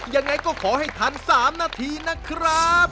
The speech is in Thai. ยังไงก็ขอให้ทัน๓นาทีนะครับ